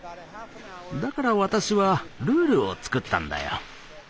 だから私はルールを作ったんだよ。